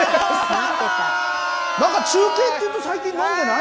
なんか中継っていうと、最近飲んでない？